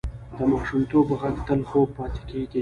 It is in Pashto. د ماشومتوب غږ تل خوږ پاتې کېږي